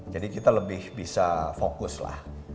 jadi kita lebih bisa fokus lah